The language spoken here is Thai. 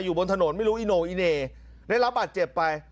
อยู่บนถนนไม่รู้เอีโนกเอานะได้รับบัตรเจ็บไป